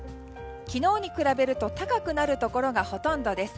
昨日に比べると高くなるところがほとんどです。